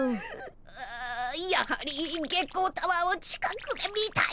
あやはり月光タワーを近くで見たい。